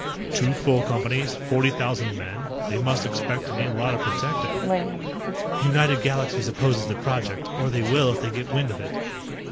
"Two full Companies? Forty thousand men? They must expect to need a lot of protecting." "United Galaxies opposes the project. Or they will if they get wind of it."